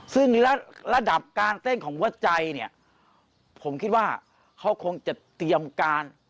ซึ่งระดับการเต้นของหัวใจเนี่ยผมคิดว่าเขาคงจะเตรียมการ